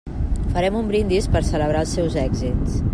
Farem un brindis per celebrar els seus èxits.